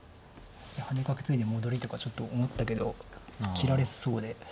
ハネカケツイで戻りとかちょっと思ったけど切られそうで。